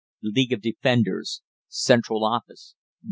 League of Defenders. Central Office: Bristol.